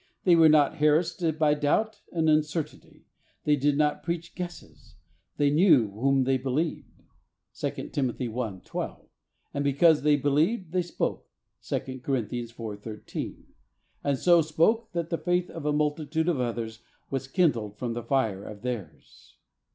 They were not harassed by doubt and uncertainty. They did not preach guesses. They knew whom they believed (2 Tim. i : 12), and because they believed they spoke (2 Cor. 4: 13), and "so spake" that the faith of a multitude of others was kindled from the fire of theirs.